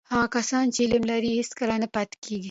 هغه کسان چې علم لري، هیڅکله نه پاتې کېږي.